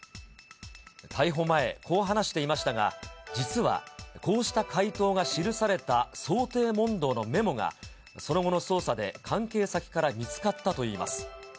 逮捕前、こう話していましたが、実は、こうした回答が記された想定問答のメモが、その後の捜査で関係先から見つかったといいます。